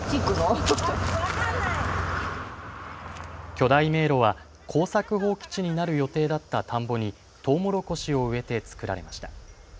巨大迷路は耕作放棄地になる予定だった田んぼにトウモロコシを植えて作られました。